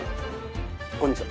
こんにちは。